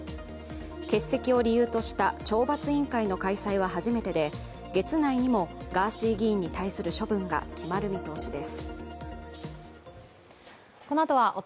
欠席を理由とした懲罰委員会の開催は初めてで、月内にもガーシー議員に対する処分が決まる見通しです。